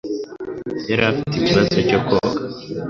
Yari afite ikibazo cyo koga.